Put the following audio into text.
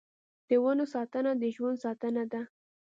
د ونو ساتنه د ژوند ساتنه ده.